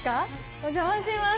お邪魔します。